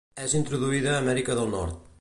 És introduïda a Amèrica del Nord.